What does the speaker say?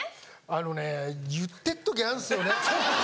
あのね言ってる時あるんですよね。